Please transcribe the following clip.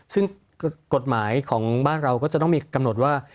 ซึ่งกฎหมายของบ้านเราก็จะต้องมีกำหนดว่า